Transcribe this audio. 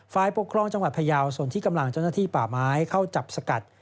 ฝ่ายปกครองจังหวัดพยาวส่วนที่กำลังเจ้าหน้าที่ป่าไม้เข้าจับสกัด